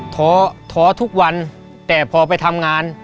ท้อท้อทุกวันแต่พอไปทำงาน